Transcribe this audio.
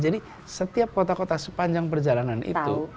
jadi setiap kota kota sepanjang perjalanan itu